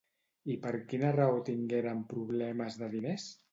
I per quina raó tingueren problemes de diners?